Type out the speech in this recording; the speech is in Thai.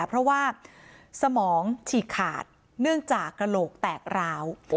เพราะว่าสมองฉีกขาดเนื่องจากกระโหลกแตกร้าว